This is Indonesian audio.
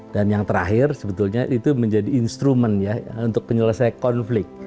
dan yang terakhir sebetulnya itu menjadi instrumen untuk menyelesaikan konflik